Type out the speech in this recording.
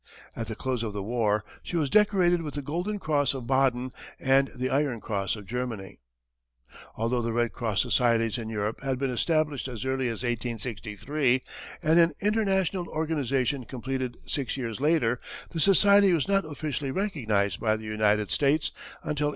At the close of the war, she was decorated with the golden cross of Baden and the iron cross of Germany. Although the Red Cross societies in Europe had been established as early as 1863, and an international organization completed six years later, the society was not officially recognized by the United States until 1882.